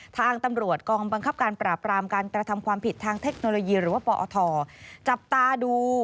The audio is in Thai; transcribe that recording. ทางตำรวจกองบังคับการปราบรามการกระทำความผิดทางเทคโนโลยีหรือว่าปอทจับตาดู